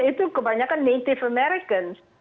itu kebanyakan native american